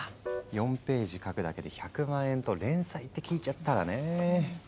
４ページ描くだけで１００万円と連載って聞いちゃったらね。